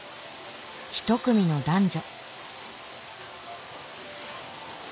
一組の男女。